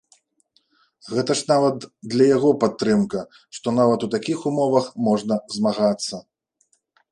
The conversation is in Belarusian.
Гэта ж нават для яго падтрымка, што нават у такіх умовах можна змагацца.